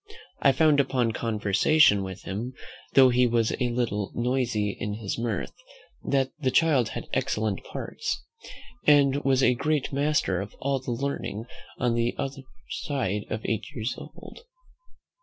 I found upon conversation with him, though he was a little noisy in his mirth, that the child had excellent parts, and was a great master of all the learning on the other side eight years old.